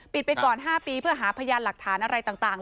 ไปก่อน๕ปีเพื่อหาพยานหลักฐานอะไรต่าง